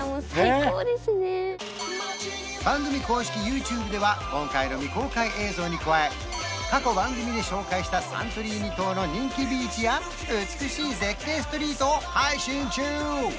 番組公式ＹｏｕＴｕｂｅでは今回の未公開映像に加え過去番組で紹介したサントリーニ島の人気ビーチや美しい絶景ストリートを配信中！